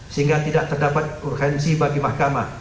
sehingga tidak terdapat urgensi bagi mahkamah